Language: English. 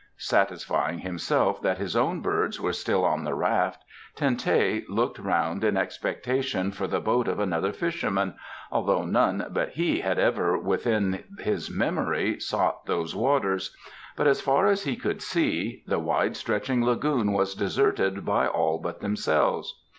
Satisfying himself that his own birds were still on the raft, Ten teh looked round in expectation for the boat of another fisherman, although none but he had ever within his memory sought those waters, but as far as he could see the wide stretching lagoon was deserted by all but themselves.